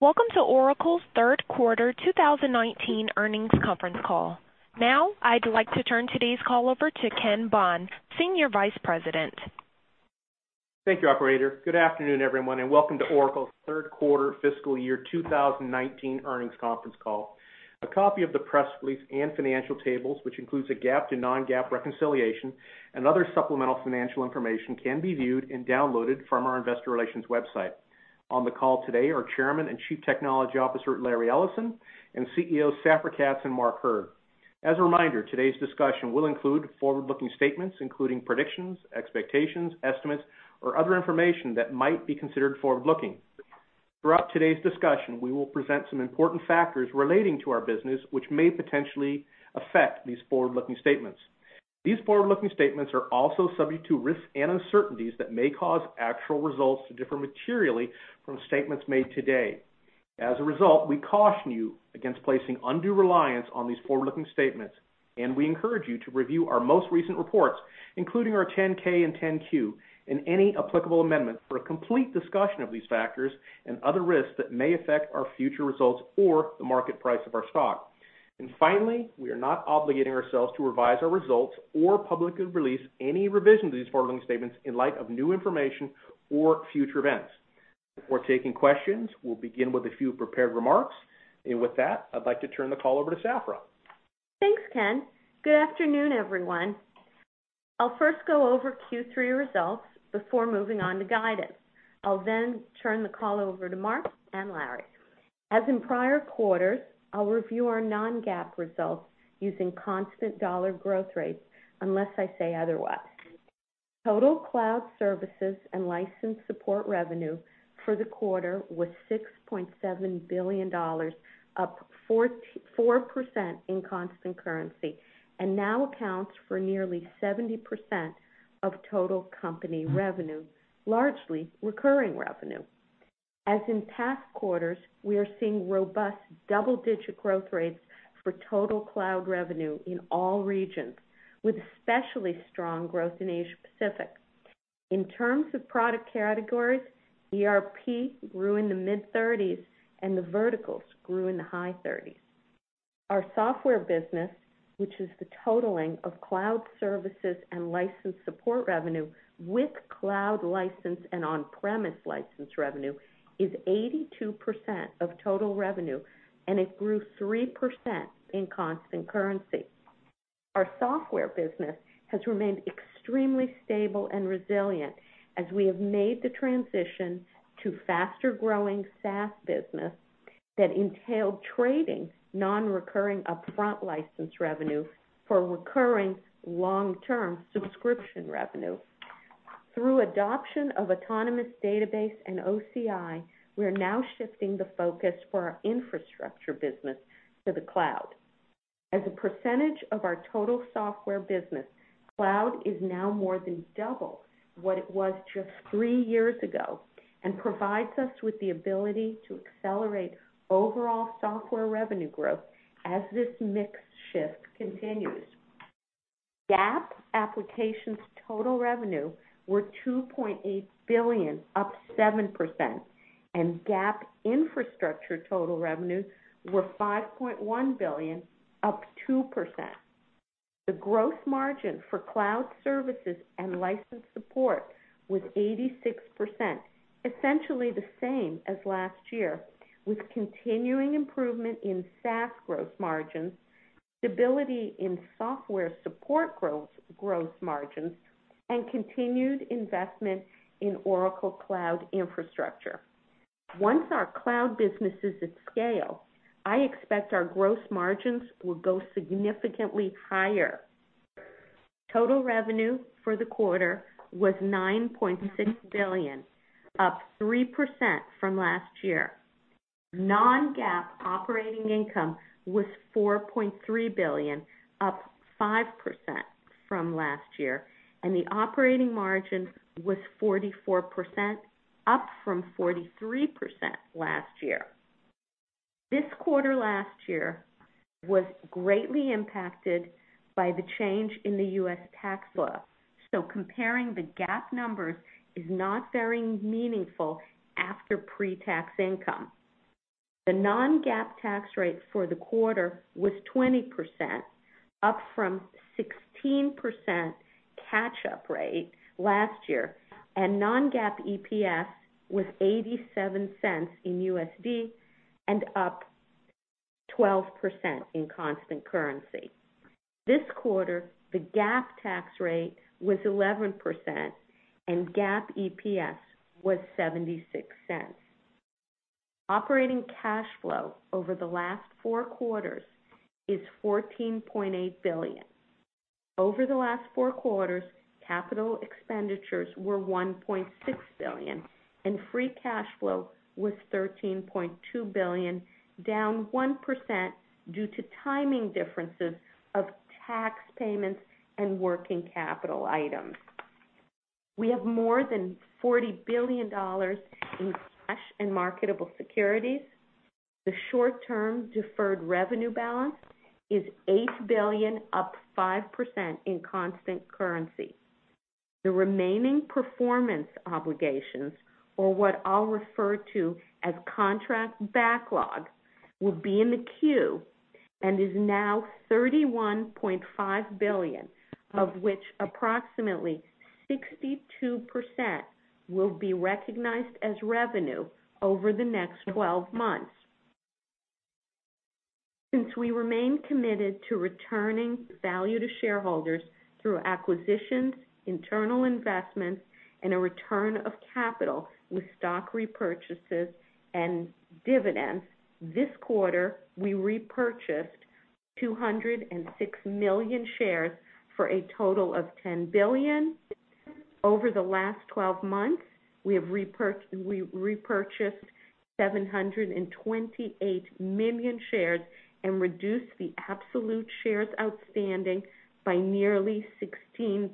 Welcome to Oracle's third quarter 2019 earnings conference call. Now I'd like to turn today's call over to Ken Bond, Senior Vice President. Thank you, operator. Good afternoon, everyone, welcome to Oracle's third quarter fiscal year 2019 earnings conference call. A copy of the press release and financial tables, which includes a GAAP to non-GAAP reconciliation and other supplemental financial information, can be viewed and downloaded from our investor relations website. On the call today are Chairman and Chief Technology Officer, Larry Ellison, and CEOs Safra Catz and Mark Hurd. As a reminder, today's discussion will include forward-looking statements, including predictions, expectations, estimates, or other information that might be considered forward-looking. Throughout today's discussion, we will present some important factors relating to our business, which may potentially affect these forward-looking statements. These forward-looking statements are also subject to risks and uncertainties that may cause actual results to differ materially from statements made today. As a result, we caution you against placing undue reliance on these forward-looking statements, we encourage you to review our most recent reports, including our 10-K and 10-Q and any applicable amendments for a complete discussion of these factors and other risks that may affect our future results or the market price of our stock. Finally, we are not obligating ourselves to revise our results or publicly release any revision to these forward-looking statements in light of new information or future events. Before taking questions, we'll begin with a few prepared remarks. With that, I'd like to turn the call over to Safra. Thanks, Ken. Good afternoon, everyone. I'll first go over Q3 results before moving on to guidance. I'll turn the call over to Mark and Larry. As in prior quarters, I'll review our non-GAAP results using constant dollar growth rates, unless I say otherwise. Total cloud services and license support revenue for the quarter was $6.7 billion, up 4% in constant currency, now accounts for nearly 70% of total company revenue, largely recurring revenue. As in past quarters, we are seeing robust double-digit growth rates for total cloud revenue in all regions, with especially strong growth in Asia Pacific. In terms of product categories, ERP grew in the mid-30s and the verticals grew in the high 30s. Our software business, which is the totaling of cloud services and license support revenue with cloud license and on-premise license revenue, is 82% of total revenue, and it grew 3% in constant currency. Our software business has remained extremely stable and resilient as we have made the transition to faster-growing SaaS business that entailed trading non-recurring upfront license revenue for recurring long-term subscription revenue. Through adoption of Autonomous Database and OCI, we are now shifting the focus for our infrastructure business to the cloud. As a percentage of our total software business, cloud is now more than double what it was just three years ago and provides us with the ability to accelerate overall software revenue growth as this mix shift continues. GAAP applications total revenue were $2.8 billion, up 7%, and GAAP infrastructure total revenues were $5.1 billion, up 2%. The growth margin for cloud services and license support was 86%, essentially the same as last year, with continuing improvement in SaaS growth margins, stability in software support growth margins, and continued investment in Oracle Cloud Infrastructure. Once our cloud business is at scale, I expect our growth margins will go significantly higher. Total revenue for the quarter was $9.6 billion, up 3% from last year. Non-GAAP operating income was $4.3 billion, up 5% from last year, and the operating margin was 44%, up from 43% last year. Comparing the GAAP numbers is not very meaningful after pre-tax income. The non-GAAP tax rate for the quarter was 20%, up from 16% catch-up rate last year, and non-GAAP EPS was $0.87 and up 12% in constant currency. This quarter, the GAAP tax rate was 11% and GAAP EPS was $0.76. Operating cash flow over the last four quarters is $14.8 billion. Over the last four quarters, capital expenditures were $1.6 billion and free cash flow was $13.2 billion, down 1% due to timing differences of tax payments and working capital items. We have more than $40 billion in cash and marketable securities. The short-term deferred revenue balance is $8 billion, up 5% in constant currency. The remaining performance obligations, or what I'll refer to as contract backlog, will be in the queue and is now $31.5 billion, of which approximately 62% will be recognized as revenue over the next 12 months. Since we remain committed to returning value to shareholders through acquisitions, internal investments, and a return of capital with stock repurchases and dividends, this quarter, we repurchased 206 million shares for a total of $10 billion. Over the last 12 months, we have repurchased 728 million shares and reduced the absolute shares outstanding by nearly 16%.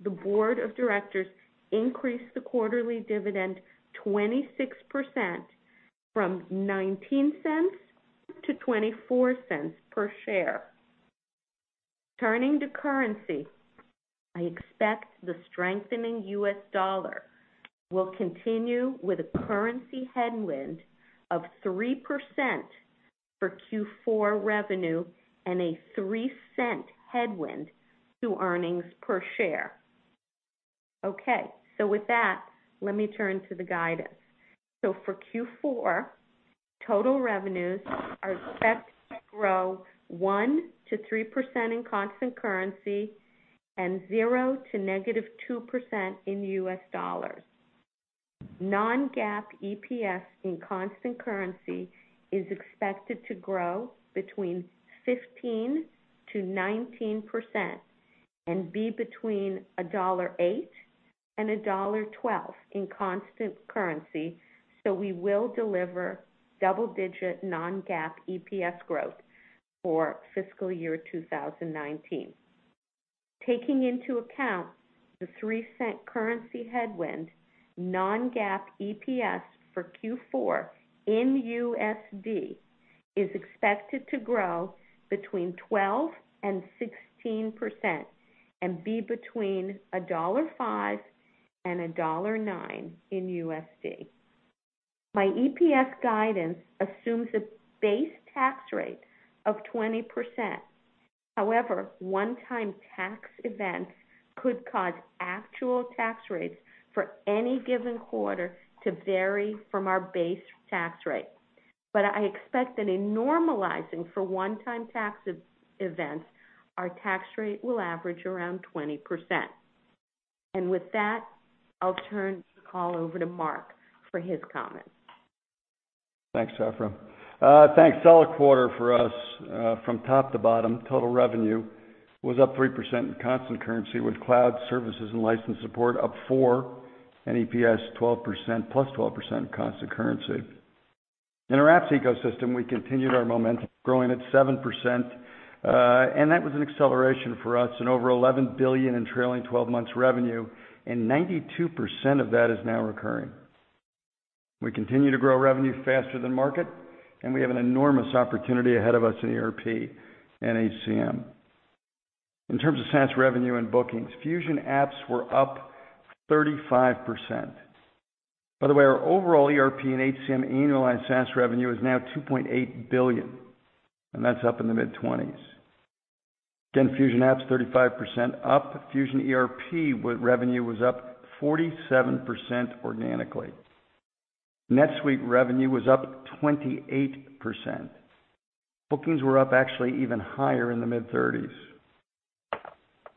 The board of directors increased the quarterly dividend 26% from $0.19 to $0.24 per share. Turning to currency, I expect the strengthening U.S. dollar will continue with a currency headwind of 3% for Q4 revenue and a $0.03 headwind to earnings per share. Okay. With that, let me turn to the guidance. For Q4, total revenues are set to grow 1%-3% in constant currency and 0% to -2% in U.S. dollars. Non-GAAP EPS in constant currency is expected to grow between 15%-19% and be between $1.08 and $1.12 in constant currency, we will deliver double-digit non-GAAP EPS growth for fiscal year 2019. Taking into account the $0.03 currency headwind, non-GAAP EPS for Q4 in USD is expected to grow between 12% and 16% and be between $1.05 and $1.09 in USD. My EPS guidance assumes a base tax rate of 20%. However, one-time tax events could cause actual tax rates for any given quarter to vary from our base tax rate. I expect that in normalizing for one-time tax events, our tax rate will average around 20%. With that, I'll turn the call over to Mark for his comments. Thanks, Safra. Thanks. Solid quarter for us from top to bottom. Total revenue was up 3% in constant currency with cloud services and license support up 4%, and EPS +12% constant currency. In our apps ecosystem, we continued our momentum growing at 7%. That was an acceleration for us and over $11 billion in trailing 12 months revenue. 92% of that is now recurring. We continue to grow revenue faster than market. We have an enormous opportunity ahead of us in ERP and HCM. In terms of SaaS revenue and bookings, Fusion Apps were up 35%. By the way, our overall ERP and HCM annualized SaaS revenue is now $2.8 billion, and that's up in the mid-20s%. Again, Fusion Apps 35% up. Fusion ERP revenue was up 47% organically. NetSuite revenue was up 28%. Bookings were up actually even higher in the mid-30s%.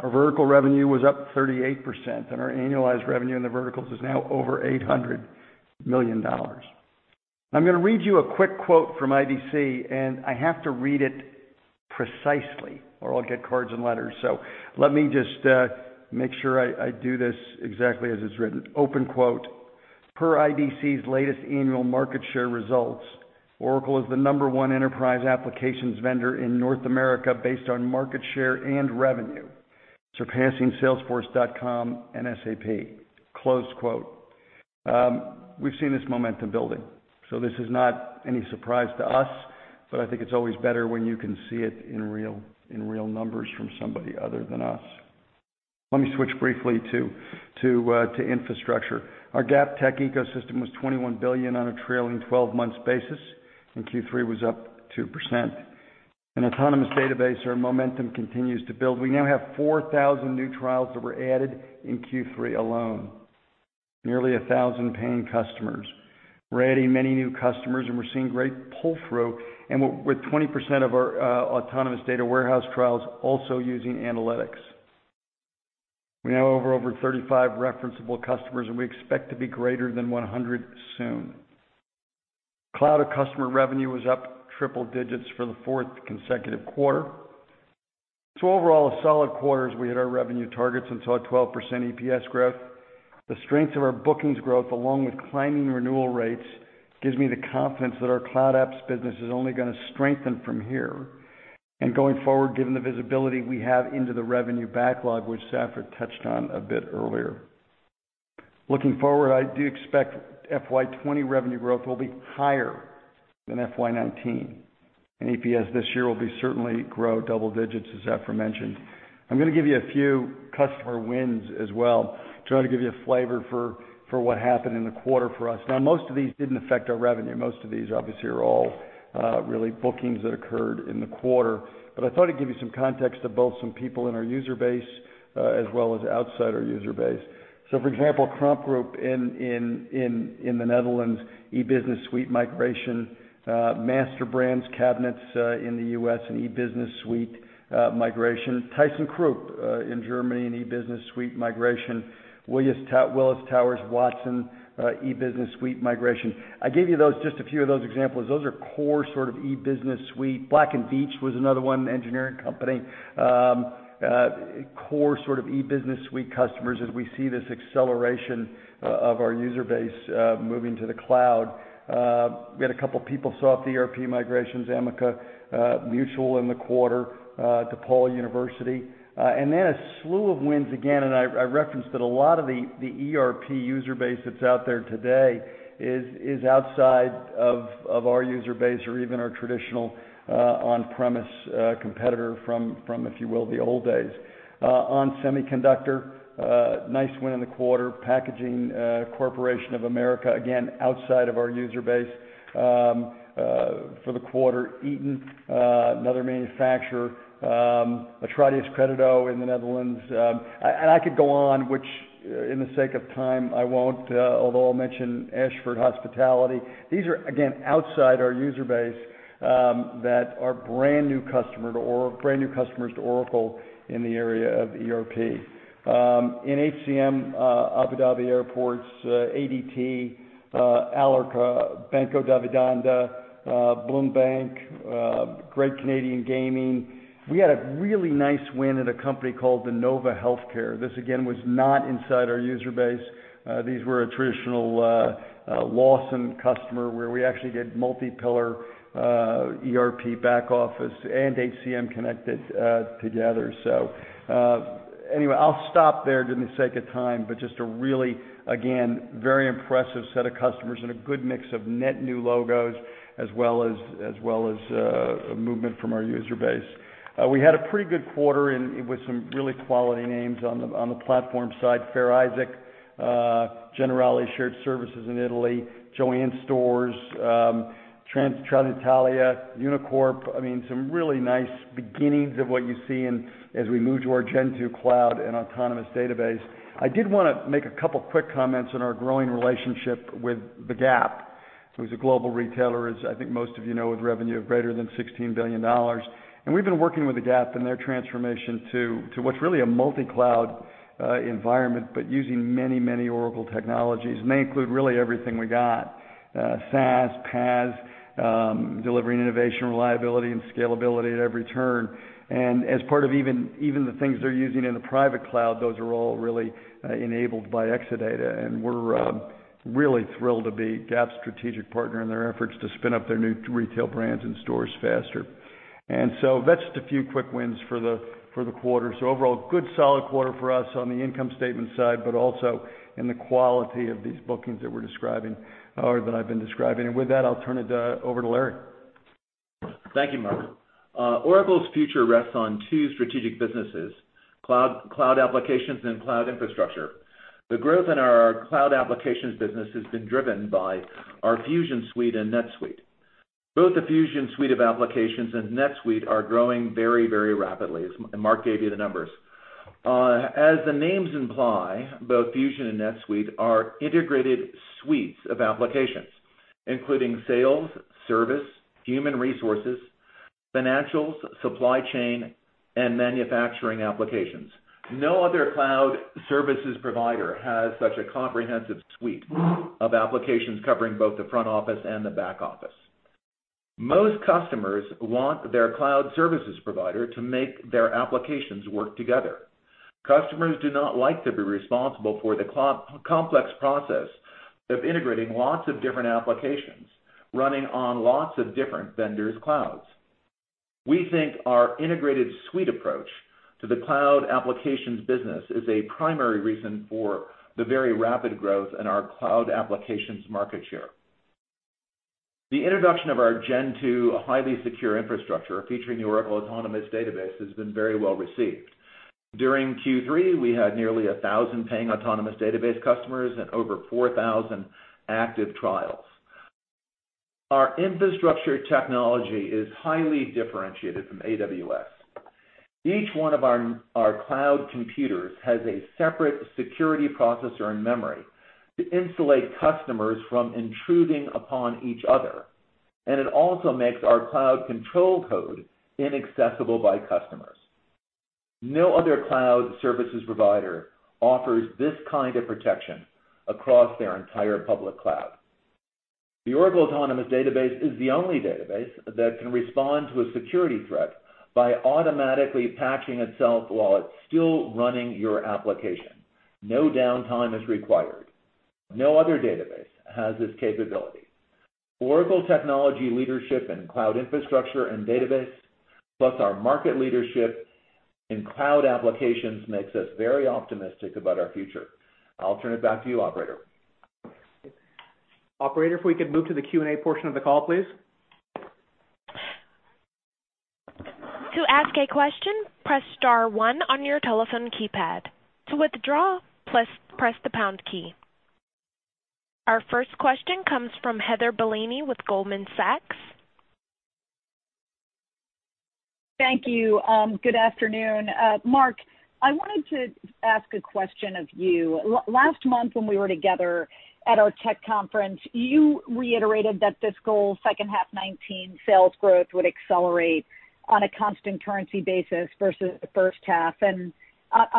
Our vertical revenue was up 38%. Our annualized revenue in the verticals is now over $800 million. I'm going to read you a quick quote from IDC. I have to read it precisely, or I'll get cards and letters. Let me just make sure I do this exactly as it's written. Open quote, "Per IDC's latest annual market share results, Oracle is the number one enterprise applications vendor in North America based on market share and revenue, surpassing salesforce.com and SAP." Close quote. We've seen this momentum building. This is not any surprise to us. I think it's always better when you can see it in real numbers from somebody other than us. Let me switch briefly to infrastructure. Our GAAP tech ecosystem was $21 billion on a trailing 12 months basis. Q3 was up 2%. In Autonomous Database, our momentum continues to build. We now have 4,000 new trials that were added in Q3 alone. Nearly 1,000 paying customers. We're adding many new customers, and we're seeing great pull-through and with 20% of our Autonomous Data Warehouse trials also using analytics. We now have over 35 referenceable customers. We expect to be greater than 100 soon. Cloud at Customer revenue was up triple digits for the fourth consecutive quarter. Overall, a solid quarter as we hit our revenue targets and saw a 12% EPS growth. The strength of our bookings growth, along with climbing renewal rates, gives me the confidence that our cloud apps business is only going to strengthen from here and going forward, given the visibility we have into the revenue backlog, which Safra Catz touched on a bit earlier. Looking forward, I do expect FY 2020 revenue growth will be higher than FY 2019, and EPS this year will certainly grow double digits, as aforementioned. I'm going to give you a few customer wins as well, try to give you a flavor for what happened in the quarter for us. Most of these didn't affect our revenue. Most of these, obviously, are all really bookings that occurred in the quarter. I thought I'd give you some context of both some people in our user base, as well as outside our user base. For example, Kramp Groep in the Netherlands, E-Business Suite migration. MasterBrand Cabinets in the U.S., an E-Business Suite migration. Thyssenkrupp in Germany, an E-Business Suite migration. Willis Towers Watson, E-Business Suite migration. I gave you just a few of those examples. Those are core sort of E-Business Suite. Black & Veatch was another one, engineering company. Core sort of E-Business Suite customers as we see this acceleration of our user base moving to the cloud. We had a couple people saw off the ERP migrations, Amica Mutual in the quarter, DePaul University. A slew of wins again, and I referenced that a lot of the ERP user base that's out there today is outside of our user base or even our traditional on-premise competitor from, if you will, the old days. ON Semiconductor, nice win in the quarter. Packaging Corporation of America, again, outside of our user base for the quarter. Eaton, another manufacturer. Atradius Crédito in the Netherlands. I could go on, which in the sake of time, I won't, although I'll mention Ashford Hospitality. These are, again, outside our user base that are brand new customers to Oracle in the area of ERP. In HCM, Abu Dhabi Airports, ADT, Alarko, Banco Davivienda, BLOM Bank, Great Canadian Gaming. We had a really nice win at a company called Inova Health System. This, again, was not inside our user base. These were a traditional Lawson customer where we actually did multi-pillar ERP back office and HCM connected together. I'll stop there for the sake of time, just a really, again, very impressive set of customers and a good mix of net new logos, as well as movement from our user base. We had a pretty good quarter with some really quality names on the platform side. Fair Isaac, Generali Shared Services in Italy, JOANN Stores, Transitalia, Unicorp. Some really nice beginnings of what you see as we move to our Gen 2 cloud and Autonomous Database. I did want to make a couple of quick comments on our growing relationship with The Gap, who's a global retailer, as I think most of you know, with revenue of greater than $16 billion. We've been working with The Gap in their transformation to what's really a multi-cloud environment, using many Oracle technologies. It may include really everything we got, SaaS, PaaS, delivering innovation, reliability, and scalability at every turn. As part of even the things they're using in the private cloud, those are all really enabled by Exadata, and we're really thrilled to be Gap's strategic partner in their efforts to spin up their new retail brands and stores faster. That's just a few quick wins for the quarter. Overall, good solid quarter for us on the income statement side, but also in the quality of these bookings that we're describing, or that I've been describing. With that, I'll turn it over to Larry. Thank you, Mark. Oracle's future rests on two strategic businesses, cloud applications and cloud infrastructure. The growth in our cloud applications business has been driven by our Fusion suite and NetSuite. Both the Fusion suite of applications and NetSuite are growing very rapidly, as Mark gave you the numbers. The names imply, both Fusion and NetSuite are integrated suites of applications, including sales, service, human resources, financials, supply chain, and manufacturing applications. No other cloud services provider has such a comprehensive suite of applications covering both the front office and the back office. Most customers want their cloud services provider to make their applications work together. Customers do not like to be responsible for the complex process of integrating lots of different applications running on lots of different vendors' clouds. We think our integrated suite approach to the cloud applications business is a primary reason for the very rapid growth in our cloud applications market share. The introduction of our Gen 2 highly secure infrastructure, featuring the Oracle Autonomous Database, has been very well received. During Q3, we had nearly 1,000 paying Autonomous Database customers and over 4,000 active trials. Our infrastructure technology is highly differentiated from AWS. Each one of our cloud computers has a separate security processor and memory to insulate customers from intruding upon each other. It also makes our cloud control code inaccessible by customers. No other cloud services provider offers this kind of protection across their entire public cloud. The Oracle Autonomous Database is the only database that can respond to a security threat by automatically patching itself while it's still running your application. No downtime is required. No other database has this capability. Oracle technology leadership in cloud infrastructure and database, plus our market leadership in cloud applications makes us very optimistic about our future. I'll turn it back to you, operator. Operator, if we could move to the Q&A portion of the call, please. To ask a question, press star one on your telephone keypad. To withdraw, press the pound key. Our first question comes from Heather Bellini with Goldman Sachs. Thank you. Good afternoon. Mark, I wanted to ask a question of you. Last month when we were together at our tech conference, you reiterated that fiscal second half 2019 sales growth would accelerate on a constant currency basis versus the first half. I'm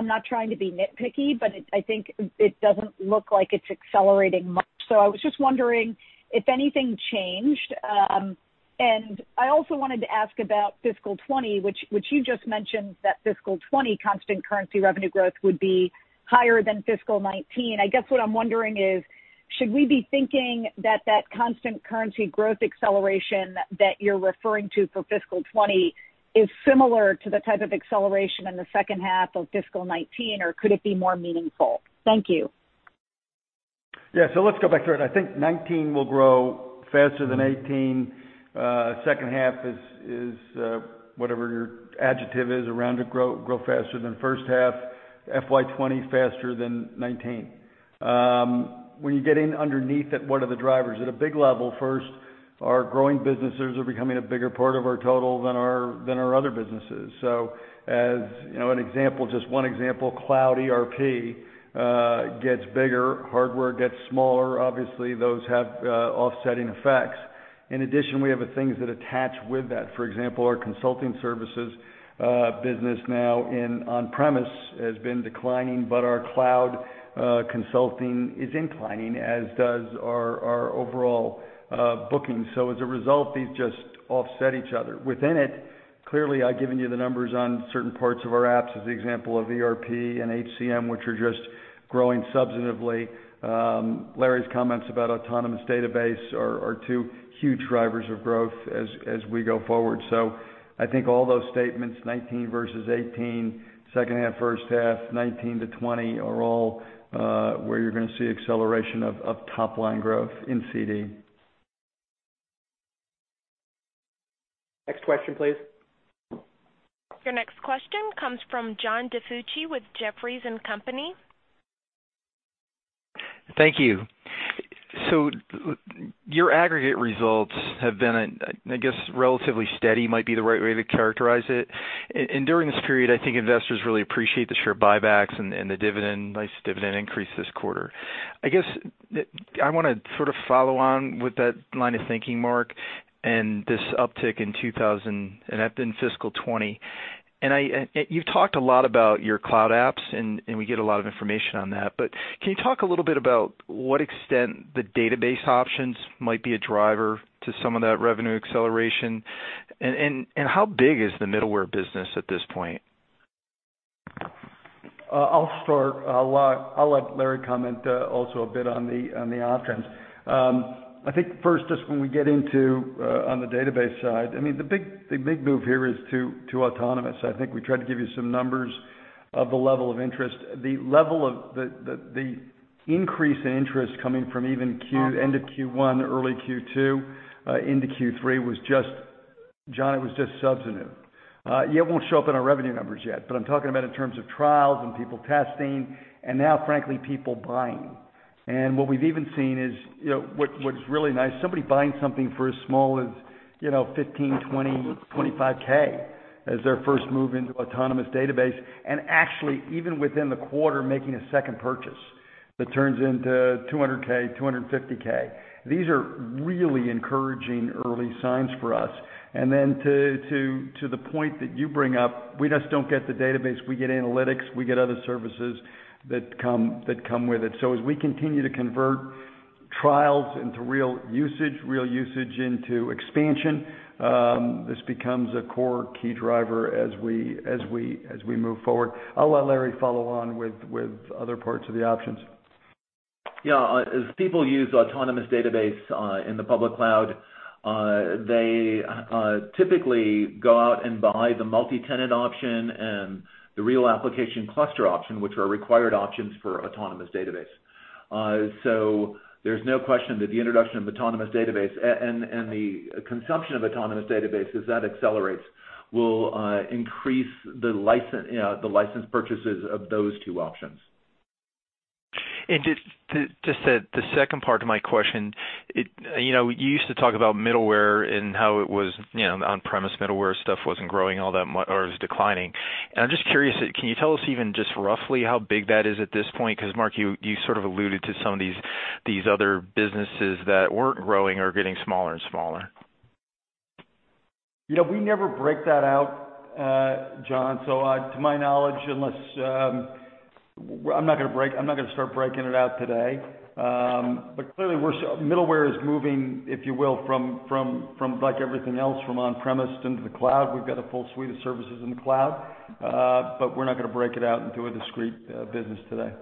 not trying to be nitpicky, but I think it doesn't look like it's accelerating much. I was just wondering if anything changed. I also wanted to ask about fiscal 2020, which you just mentioned that fiscal 2020 constant currency revenue growth would be higher than fiscal 2019. I guess what I'm wondering is should we be thinking that that constant currency growth acceleration that you're referring to for fiscal 2020 is similar to the type of acceleration in the second half of fiscal 2019, or could it be more meaningful? Thank you. Yeah. Let's go back through it. I think 2019 will grow faster than 2018. Second half is whatever your adjective is around it, grow faster than first half, FY 2020 faster than 2019. When you get in underneath it, what are the drivers? At a big level, first, our growing businesses are becoming a bigger part of our total than our other businesses. As an example, just one example, cloud ERP gets bigger, hardware gets smaller. Obviously, those have offsetting effects. In addition, we have things that attach with that. For example, our consulting services business now in on-premise has been declining, but our cloud consulting is inclining, as does our overall bookings. As a result, these just offset each other. Within it, clearly, I've given you the numbers on certain parts of our apps as the example of ERP and HCM, which are just growing substantively. Larry's comments about Autonomous Database are two huge drivers of growth as we go forward. I think all those statements, 2019 versus 2018, second half, first half, 2019 to 2020, are all where you're going to see acceleration of top-line growth in CD. Next question, please. Your next question comes from John DiFucci with Jefferies & Company. Thank you. Your aggregate results have been, I guess, relatively steady might be the right way to characterize it. During this period, I think investors really appreciate the share buybacks and the nice dividend increase this quarter. I guess I want to follow on with that line of thinking, Mark, and this uptick in fiscal 2020. You've talked a lot about your cloud apps, and we get a lot of information on that. Can you talk a little bit about what extent the database options might be a driver to some of that revenue acceleration? How big is the middleware business at this point? I'll start. I'll let Larry comment also a bit on the options. I think first, just when we get into on the database side, the big move here is to Autonomous Database. I think we tried to give you some numbers of the level of interest. The increase in interest coming from even end of Q1, early Q2 into Q3 was just substantive. It won't show up in our revenue numbers yet, but I'm talking about in terms of trials and people testing, and now frankly, people buying. What we've even seen is, what's really nice, somebody buying something for as small as $15K, $20K, $25K as their first move into Autonomous Database, and actually even within the quarter, making a second purchase that turns into $200K, $250K. These are really encouraging early signs for us. To the point that you bring up, we just don't get the database. We get analytics, we get other services that come with it. As we continue to convert trials into real usage, real usage into expansion, this becomes a core key driver as we move forward. I'll let Larry follow on with other parts of the options. Yeah. As people use Autonomous Database in the public cloud, they typically go out and buy the multi-tenant option and the Real Application Clusters option, which are required options for Autonomous Database. There's no question that the introduction of Autonomous Database and the consumption of Autonomous Databases, that accelerates, will increase the license purchases of those two options. Just the second part of my question, you used to talk about middleware and how it was on-premise middleware stuff wasn't growing all that much or it was declining. I'm just curious, can you tell us even just roughly how big that is at this point? Because Mark, you sort of alluded to some of these other businesses that weren't growing or getting smaller and smaller. We never break that out, John. To my knowledge, I'm not going to start breaking it out today. Clearly, middleware is moving, if you will, like everything else, from on-premise into the cloud. We've got a full suite of services in the cloud. We're not going to break it out into a discrete business today.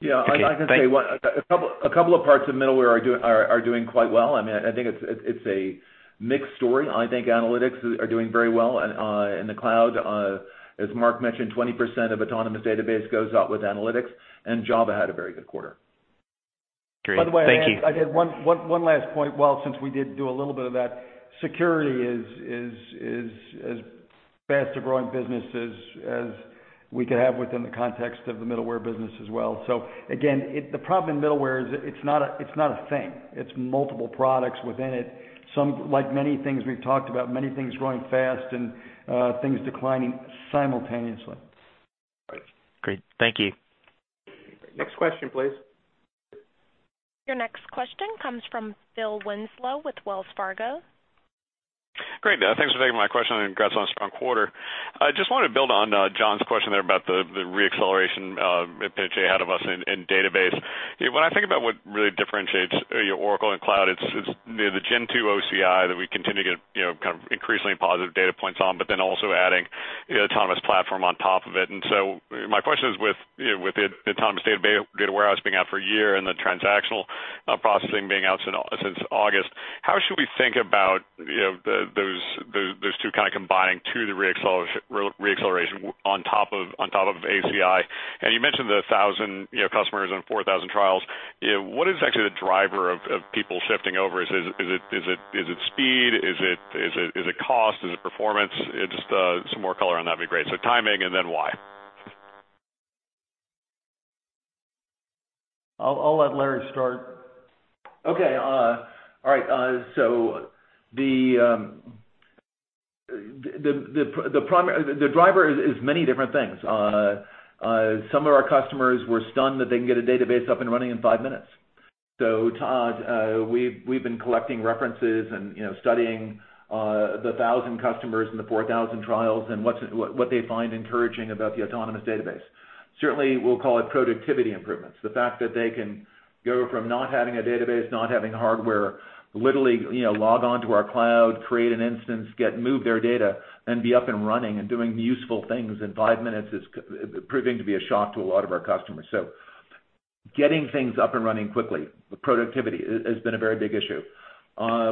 Yeah, I can say a couple of parts of middleware are doing quite well. I think it's a mixed story. I think analytics are doing very well in the cloud. As Mark mentioned, 20% of Autonomous Database goes out with analytics, and Java had a very good quarter. Great. Thank you. By the way, I did one last point. Well, since we did do a little bit of that, security is as fast a growing business as we could have within the context of the middleware business as well. Again, the problem in middleware is it's not a thing. It's multiple products within it. Like many things we've talked about, many things growing fast and things declining simultaneously. Great. Thank you. Next question, please. Your next question comes from Phil Winslow with Wells Fargo. Great. Thanks for taking my question. Congrats on a strong quarter. I just wanted to build on John's question there about the re-acceleration ahead of us in database. When I think about what really differentiates Oracle and Cloud, it's the Gen 2 OCI that we continue to get increasingly positive data points on, also adding the autonomous platform on top of it. My question is with the Autonomous Data Warehouse being out for a year and the transactional processing being out since August, how should we think about those two combining to the re-acceleration on top of OCI? You mentioned the 1,000 customers and 4,000 trials. What is actually the driver of people shifting over? Is it speed? Is it cost? Is it performance? Just some more color on that'd be great. So timing and then why. I'll let Larry start. The driver is many different things. Some of our customers were stunned that they can get a database up and running in five minutes. Todd, we've been collecting references and studying the 1,000 customers and the 4,000 trials and what they find encouraging about the Autonomous Database. Certainly, we'll call it productivity improvements. The fact that they can go from not having a database, not having hardware, literally log on to our cloud, create an instance, move their data, and be up and running and doing useful things in five minutes is proving to be a shock to a lot of our customers. Getting things up and running quickly, productivity, has been a very big issue.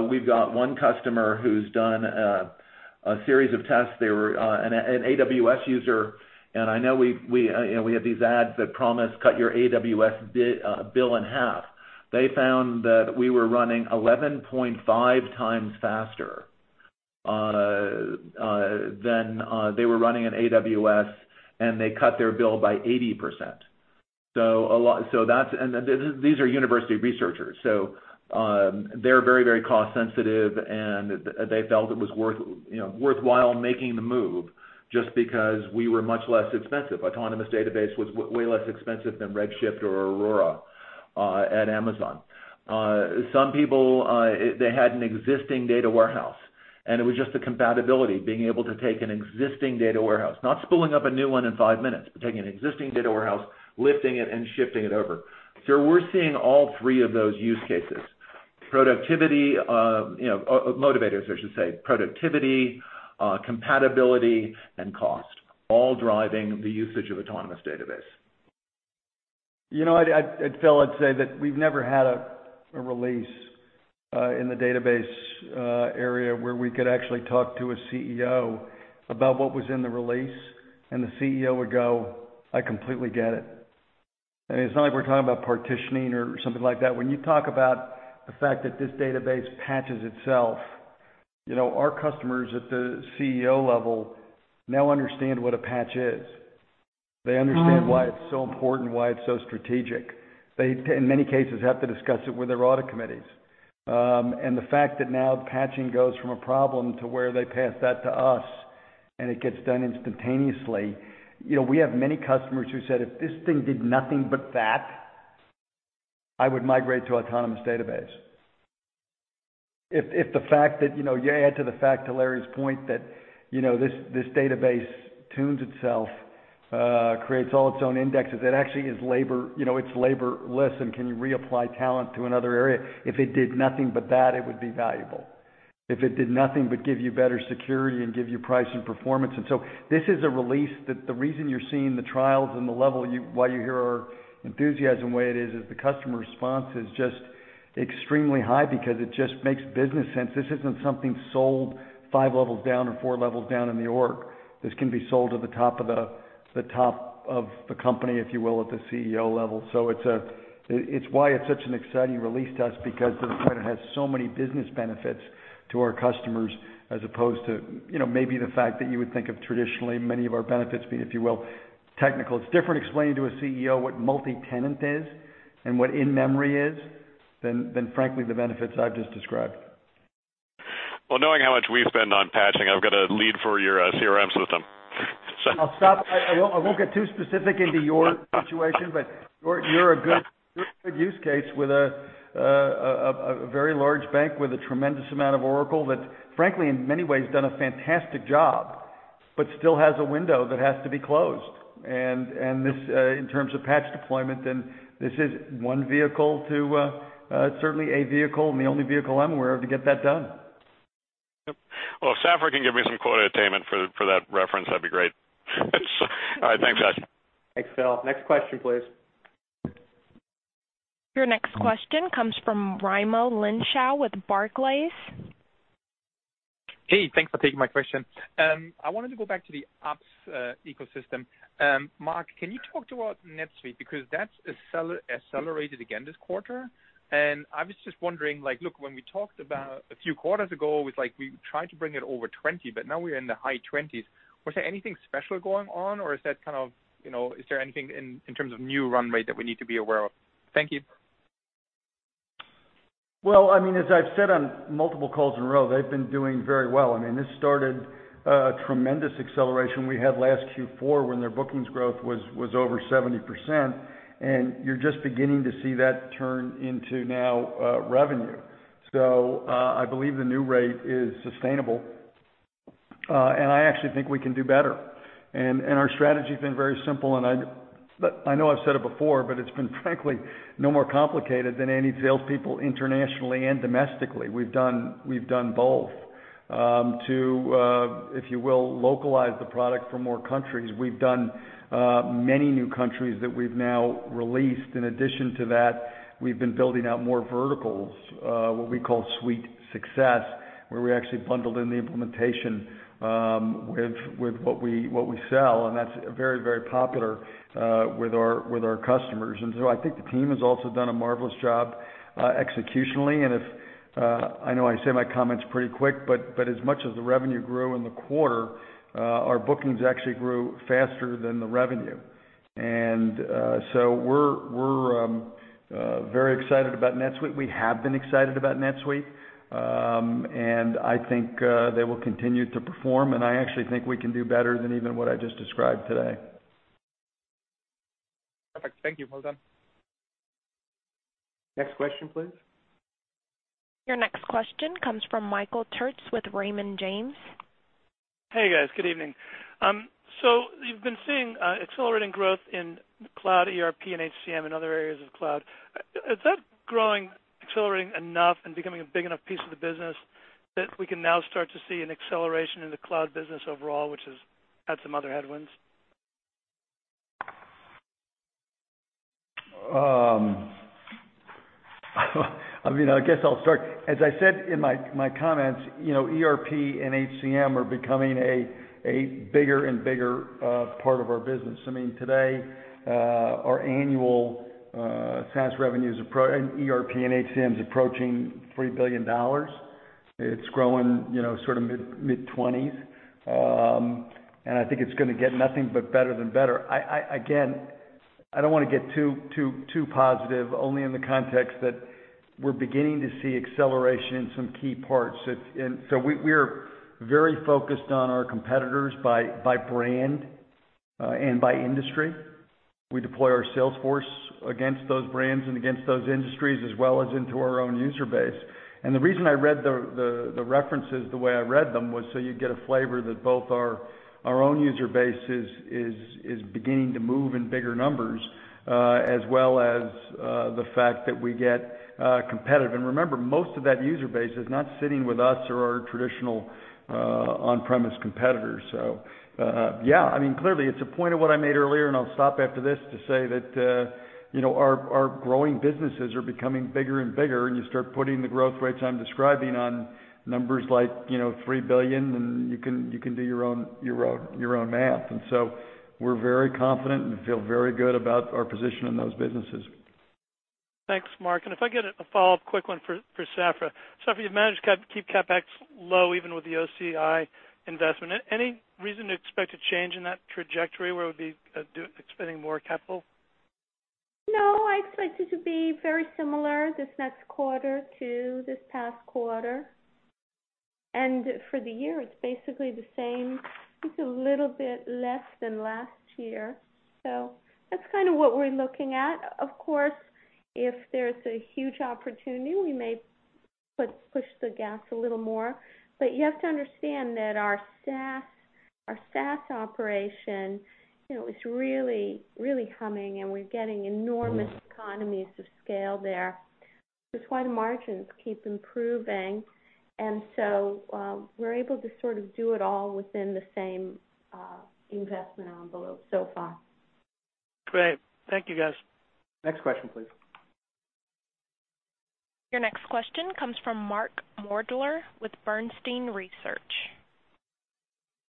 We've got one customer who's done a series of tests. They were an AWS user, and I know we have these ads that promise cut your AWS bill in half. They found that we were running 11.5 times faster than they were running an AWS, and they cut their bill by 80%. These are university researchers, so they're very cost sensitive, and they felt it was worthwhile making the move just because we were much less expensive. Autonomous Database was way less expensive than Amazon Redshift or Amazon Aurora. Some people, they had an existing data warehouse, and it was just the compatibility, being able to take an existing data warehouse, not spooling up a new one in five minutes, but taking an existing data warehouse, lifting it, and shifting it over. We're seeing all three of those use cases. Productivity, motivators, I should say. Productivity, compatibility, and cost, all driving the usage of Autonomous Database. Phil, I'd say that we've never had a release in the database area where we could actually talk to a CEO about what was in the release, and the CEO would go, "I completely get it." It's not like we're talking about partitioning or something like that. When you talk about the fact that this database patches itself, our customers at the CEO level now understand what a patch is. They understand why it's so important, why it's so strategic. They, in many cases, have to discuss it with their audit committees. The fact that now patching goes from a problem to where they pass that to us and it gets done instantaneously. We have many customers who said, "If this thing did nothing but that, I would migrate to Autonomous Database." If you add to the fact to Larry's point that this database tunes itself, creates all its own indexes, it's laborless and can reapply talent to another area. If it did nothing but that, it would be valuable. If it did nothing but give you better security and give you price and performance. This is a release that the reason you're seeing the trials and the level, why you hear our enthusiasm the way it is the customer response is just extremely high because it just makes business sense. This isn't something sold five levels down or four levels down in the org. This can be sold to the top of the company, if you will, at the CEO level. It's why it's such an exciting release to us, because this product has so many business benefits to our customers as opposed to maybe the fact that you would think of traditionally many of our benefits being, if you will, technical. It's different explaining to a CEO what multi-tenant is and what in-memory is than frankly, the benefits I've just described. Knowing how much we spend on patching, I've got a lead for your CRM system. I'll stop. I won't get too specific into your situation, but you're a good use case with a very large bank with a tremendous amount of Oracle that frankly, in many ways, done a fantastic job, but still has a window that has to be closed. In terms of patch deployment, this is one vehicle, certainly a vehicle and the only vehicle I'm aware of to get that done. Yep. If Safra can give me some quote attainment for that reference, that'd be great. All right, thanks, guys. Thanks, Phil. Next question, please. Your next question comes from Raimo Lenschow with Barclays. Hey, thanks for taking my question. I wanted to go back to the ops ecosystem. Mark, can you talk to us NetSuite? Because that's accelerated again this quarter, and I was just wondering, look, when we talked about a few quarters ago, we tried to bring it over 20, but now we're in the high 20s. Was there anything special going on, or is there anything in terms of new run rate that we need to be aware of? Thank you. Well, as I've said on multiple calls in a row, they've been doing very well. This started a tremendous acceleration we had last Q4 when their bookings growth was over 70%, and you're just beginning to see that turn into now revenue. I believe the new rate is sustainable. I actually think we can do better. Our strategy's been very simple, and I know I've said it before, but it's been frankly, no more complicated than any salespeople internationally and domestically. We've done both to, if you will, localize the product for more countries. We've done many new countries that we've now released. In addition to that, we've been building out more verticals, what we call SuiteSuccess, where we actually bundled in the implementation, with what we sell, and that's very popular with our customers. I think the team has also done a marvelous job executionally, and I know I say my comments pretty quick, but as much as the revenue grew in the quarter, our bookings actually grew faster than the revenue. So we're very excited about NetSuite. We have been excited about NetSuite. I think they will continue to perform, and I actually think we can do better than even what I just described today. Perfect. Thank you. Well done. Next question, please. Your next question comes from Michael Turits with Raymond James. Hey, guys. Good evening. You've been seeing accelerating growth in cloud ERP and HCM and other areas of cloud. Is that growing, accelerating enough and becoming a big enough piece of the business that we can now start to see an acceleration in the cloud business overall, which has had some other headwinds? I guess I'll start. As I said in my comments, ERP and HCM are becoming a bigger and bigger part of our business. Today, our annual SaaS revenues. ERP and HCM is approaching $3 billion. It's growing mid 20s. I think it's going to get nothing but better than better. Again, I don't want to get too positive, only in the context that we're beginning to see acceleration in some key parts. We are very focused on our competitors by brand, and by industry. We deploy our sales force against those brands and against those industries as well as into our own user base. The reason I read the references the way I read them was so you'd get a flavor that both our own user base is beginning to move in bigger numbers, as well as the fact that we get competitive. Remember, most of that user base is not sitting with us or our traditional on-premise competitors. Yeah, clearly, it's a point of what I made earlier, and I'll stop after this to say that our growing businesses are becoming bigger and bigger, and you start putting the growth rates I'm describing on numbers like $3 billion, and you can do your own math. We're very confident and feel very good about our position in those businesses. Thanks, Mark. If I get a follow-up quick one for Safra. Safra, you've managed to keep CapEx low even with the OCI investment. Any reason to expect a change in that trajectory where we'll be expending more capital? No, I expect it to be very similar this next quarter to this past quarter. For the year, it's basically the same. It's a little bit less than last year. That's kind of what we're looking at. Of course, if there's a huge opportunity, we may push the gas a little more. You have to understand that our SaaS operation is really humming, and we're getting enormous economies of scale there, which is why the margins keep improving. We're able to sort of do it all within the same investment envelope so far. Great. Thank you, guys. Next question, please. Your next question comes from Mark Moerdler with Bernstein Research.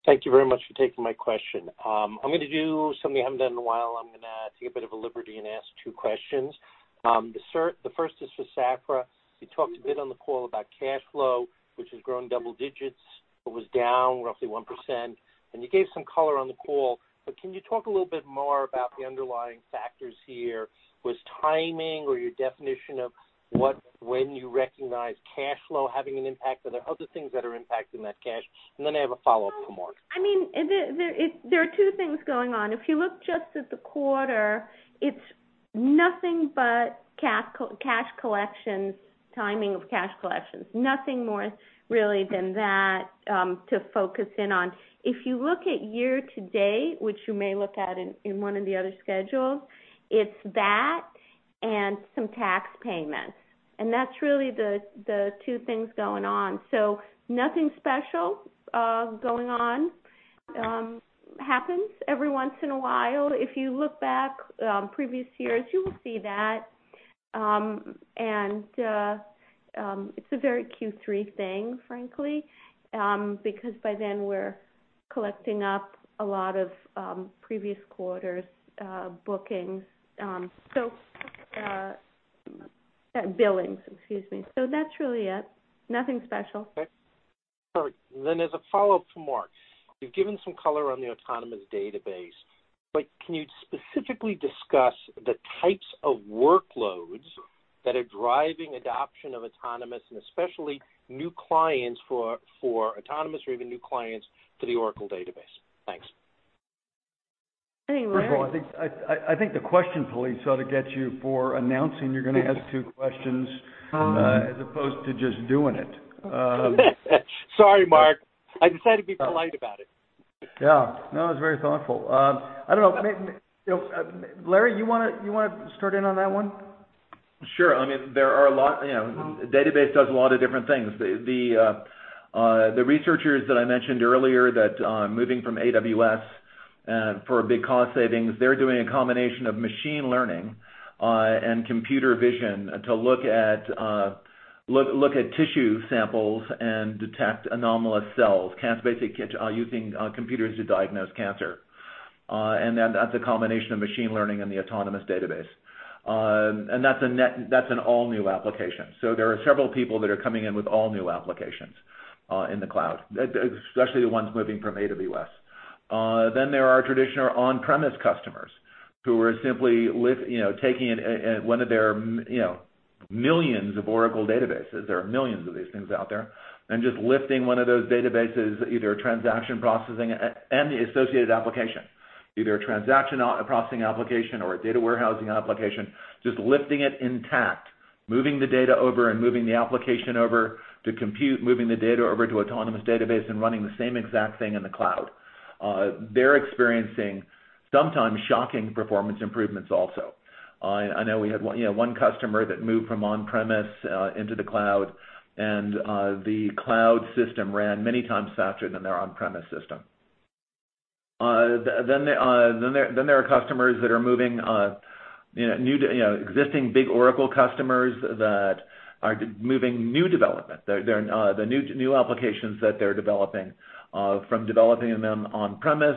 Thank you very much for taking my question. I'm going to do something I haven't done in a while. I'm going to take a bit of a liberty and ask two questions. The first is for Safra. You talked a bit on the call about cash flow, which has grown double digits. It was down roughly 1%, and you gave some color on the call. Can you talk a little bit more about the underlying factors here? Was timing or your definition of when you recognize cash flow having an impact? Are there other things that are impacting that cash? I have a follow-up for Mark. There are two things going on. If you look just at the quarter, it's nothing but cash collections, timing of cash collections. Nothing more really than that, to focus in on. If you look at year-to-date, which you may look at in one of the other schedules, it's that and some tax payments. That's really the two things going on. Nothing special going on. Happens every once in a while. If you look back previous years, you will see that. It's a very Q3 thing, frankly, because by then we're collecting up a lot of previous quarters' bookings. Billings, excuse me. That's really it. Nothing special. Okay. Sorry. As a follow-up to Mark, you've given some color on the Autonomous Database, but can you specifically discuss the types of workloads that are driving adoption of autonomous and especially new clients for autonomous or even new clients to the Oracle Database? Thanks. I mean, Larry First of all, I think the question police ought to get you for announcing you're going to ask two questions as opposed to just doing it. Sorry, Mark. I decided to be polite about it. Yeah. No, it was very thoughtful. I don't know. Larry, you want to start in on that one? Sure. Database does a lot of different things. The researchers that I mentioned earlier that are moving from AWS for big cost savings, they're doing a combination of machine learning and computer vision to look at tissue samples and detect anomalous cells. Using computers to diagnose cancer. That's a combination of machine learning and the Autonomous Database. That's an all-new application. There are several people that are coming in with all new applications in the cloud, especially the ones moving from AWS. There are traditional on-premise customers who are simply taking one of their millions of Oracle databases, there are millions of these things out there, and just lifting one of those databases, either a transaction processing and the associated application, either a transaction processing application or a data warehousing application, just lifting it intact, moving the data over and moving the application over to compute, moving the data over to Autonomous Database and running the same exact thing in the cloud. They're experiencing sometimes shocking performance improvements also. I know we had one customer that moved from on-premise into the cloud, and the cloud system ran many times faster than their on-premise system. There are existing big Oracle customers that are moving new development. The new applications that they're developing, from developing them on-premise,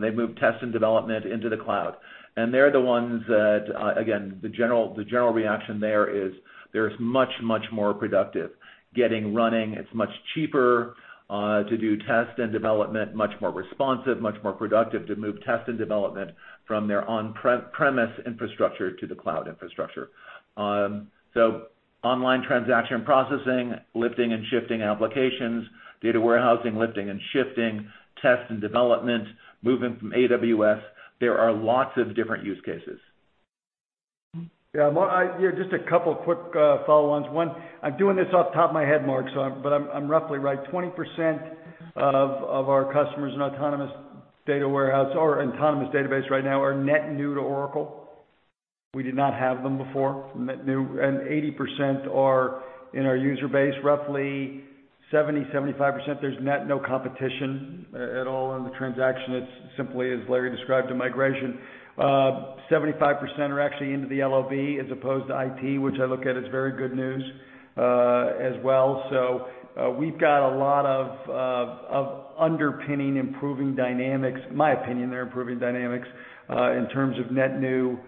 they move test and development into the cloud. They're the ones that, again, the general reaction there is they're much, much more productive. Getting running, it's much cheaper to do test and development, much more responsive, much more productive to move test and development from their on-premise infrastructure to the cloud infrastructure. Online transaction processing, lifting and shifting applications, data warehousing, lifting and shifting, test and development, moving from AWS. There are lots of different use cases. Yeah. Just a couple quick follow-ons. One, I'm doing this off the top of my head, Mark, but I'm roughly right. 20% of our customers in Autonomous Data Warehouse or Autonomous Database right now are net new to Oracle. We did not have them before, net new, and 80% are in our user base. Roughly 70%, 75%, there's net no competition at all in the transaction. It's simply, as Larry described, a migration. 75% are actually into the LOB as opposed to IT, which I look at as very good news as well. We've got a lot of underpinning, improving dynamics. In my opinion, they're improving dynamics, in terms of net new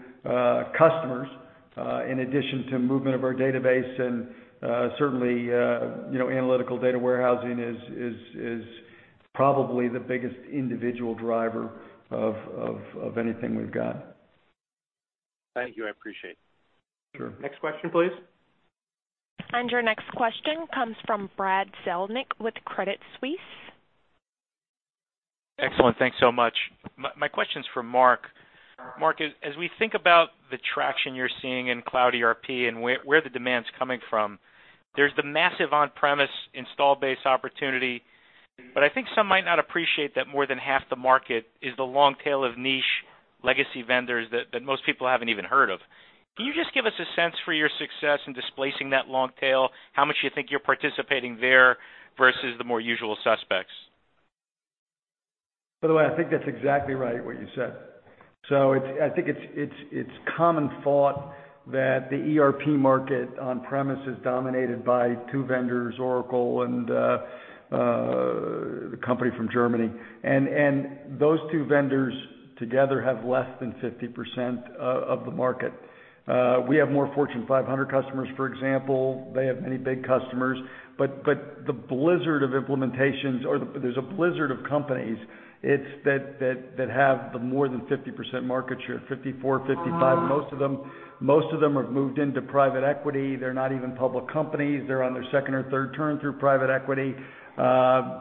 customers, in addition to movement of our database and, certainly, analytical data warehousing is probably the biggest individual driver of anything we've got. Thank you. I appreciate it. Sure. Next question, please. Your next question comes from Brad Zelnick with Credit Suisse. Excellent. Thanks so much. My question's for Mark. Mark, as we think about the traction you're seeing in Cloud ERP and where the demand's coming from, there's the massive on-premise install base opportunity, but I think some might not appreciate that more than half the market is the long tail of niche legacy vendors that most people haven't even heard of. Can you just give us a sense for your success in displacing that long tail? How much do you think you're participating there versus the more usual suspects? By the way, I think that's exactly right, what you said. I think it's common thought that the ERP market on-premise is dominated by two vendors, Oracle and the company from Germany. Those two vendors together have less than 50% of the market. We have more Fortune 500 customers, for example. They have many big customers. But the blizzard of implementations, or there's a blizzard of companies that have the more than 50% market share, 54%, 55%. Most of them have moved into private equity. They're not even public companies. They're on their second or third turn through private equity.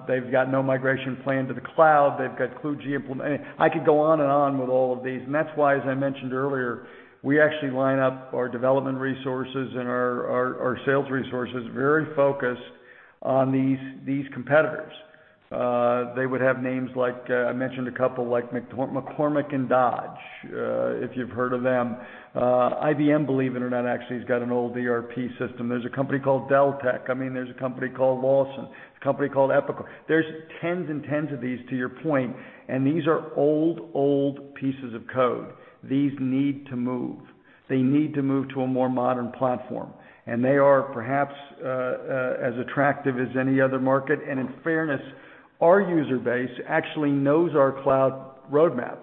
They've got no migration plan to the cloud. They've got kludgy I could go on and on with all of these. That's why, as I mentioned earlier, we actually line up our development resources and our sales resources very focused on these competitors. They would have names like, I mentioned a couple like McCormack & Dodge, if you've heard of them. IBM, believe it or not, actually has got an old ERP system. There's a company called Deltek. There's a company called Lawson. There's a company called Epicor. There's tens and tens of these, to your point, and these are old pieces of code. These need to move. They need to move to a more modern platform, and they are perhaps as attractive as any other market. In fairness, our user base actually knows our cloud roadmap.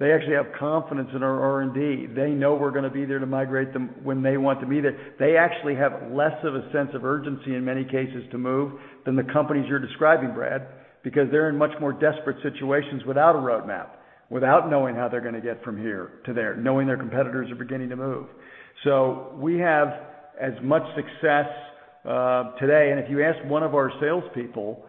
They actually have confidence in our R&D. They know we're going to be there to migrate them when they want to be there. They actually have less of a sense of urgency in many cases to move than the companies you're describing, Brad, because they're in much more desperate situations without a roadmap, without knowing how they're going to get from here to there, knowing their competitors are beginning to move. We have as much success today, and if you ask one of our salespeople,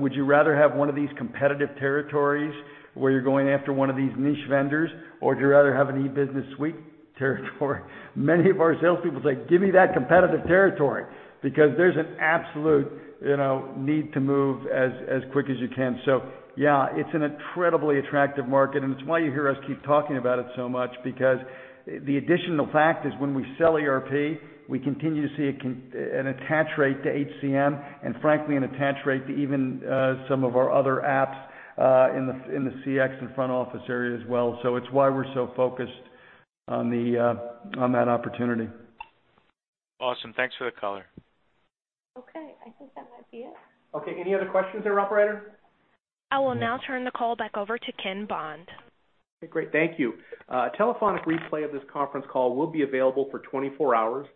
would you rather have one of these competitive territories where you're going after one of these niche vendors, or would you rather have an E-Business Suite territory? Many of our salespeople say, "Give me that competitive territory," because there's an absolute need to move as quick as you can. Yeah, it's an incredibly attractive market, and it's why you hear us keep talking about it so much, because the additional fact is when we sell ERP, we continue to see an attach rate to HCM and frankly, an attach rate to even some of our other apps in the CX and front office area as well. It's why we're so focused on that opportunity. Awesome. Thanks for the color. Okay. I think that might be it. Okay. Any other questions there, operator? I will now turn the call back over to Ken Bond. Okay, great. Thank you. A telephonic replay of this conference call will be available for 24 hours.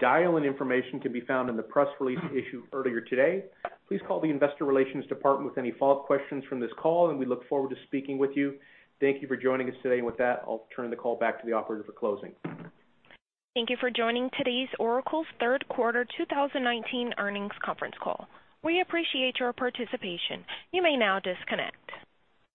Dial-in information can be found in the press release issued earlier today. Please call the investor relations department with any follow-up questions from this call, we look forward to speaking with you. Thank you for joining us today. With that, I'll turn the call back to the operator for closing. Thank you for joining today's Oracle's Third Quarter 2019 Earnings Conference Call. We appreciate your participation. You may now disconnect.